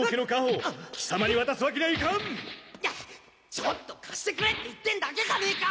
ちょっと貸してくれって言ってんだけじゃねえか！